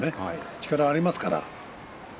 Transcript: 力ありますからね。